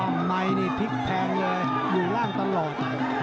ในนี่พลิกแพงเลยอยู่ล่างตลอด